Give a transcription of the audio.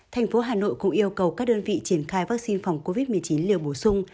thành phố hà nội cũng yêu cầu các đơn vị triển khai vaccine phòng covid một mươi chín liều bổ sung